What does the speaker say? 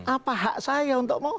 apa hak saya untuk mau